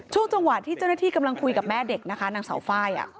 ช่วงจังหวะที่เจ้าหน้าที่กำลังคุยกับแม่เด็กนะคะนางเสาไฟ